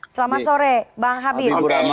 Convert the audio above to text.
selamat sore bang habib